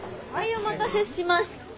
お待たせしました。